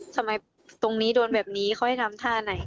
ทำไมตรงนี้โดนแบบนี้เขาให้ทำท่าไหน